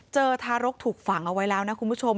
ทารกถูกฝังเอาไว้แล้วนะคุณผู้ชม